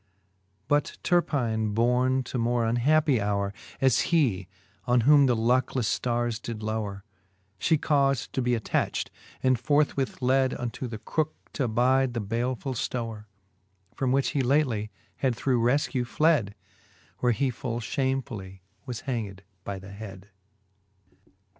But Terpine borne to a more unhappy howre, As he, on whom the lucklefTe ftarres did lowre, She caufd to be attacht, and forthwith led Unto the crooke, t'abide the balefull ftowre, From which he lately had through reflcew fled : Where he full fhamefully was hanged by the hed.